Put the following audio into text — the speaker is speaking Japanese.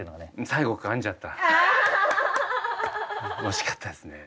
惜しかったですね。